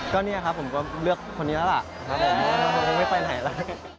ก็เนี่ยครับผมก็เลือกคนนี้แล้วล่ะ